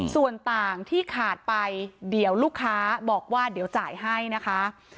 ส่วนต่างที่ขาดไปเดี๋ยวลูกค้าบอกว่าเดี๋ยวจ่ายให้นะคะ